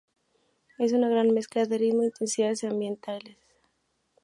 Es una gran mezcla de ritmo, intensidades y ambientes.